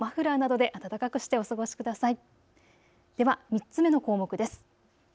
では３つ目の項目です。